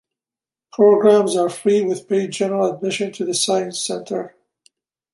Programs are free with paid general admission to the Science Center.